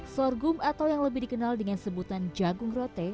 sorghum atau yang lebih dikenal dengan sebutan jagung rote